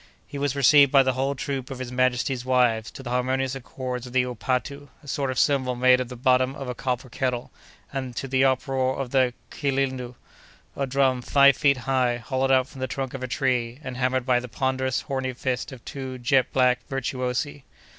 He was received by the whole troop of his majesty's wives, to the harmonious accords of the "upatu," a sort of cymbal made of the bottom of a copper kettle, and to the uproar of the "kilindo," a drum five feet high, hollowed out from the trunk of a tree, and hammered by the ponderous, horny fists of two jet black virtuosi.